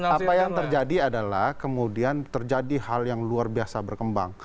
apa yang terjadi adalah kemudian terjadi hal yang luar biasa berkembang